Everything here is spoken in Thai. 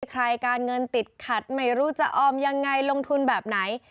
การเงินติดขัดไม่รู้จะออมยังไงลงทุนแบบไหน